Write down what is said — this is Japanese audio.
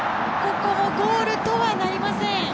ここもゴールとはなりません。